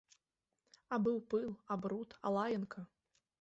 А быў пыл, а бруд, а лаянка!